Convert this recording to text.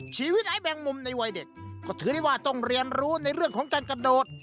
ไอ้แมงมุมในวัยเด็กก็ถือได้ว่าต้องเรียนรู้ในเรื่องของการกระโดด